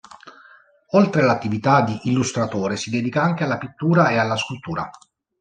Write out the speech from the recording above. Oltre all'attività di illustratore si dedica anche alla pittura e alla scultura.